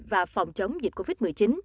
và phòng chống dịch covid một mươi chín